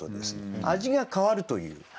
味が変わるという。